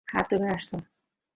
হ্যা, তুমি আছো।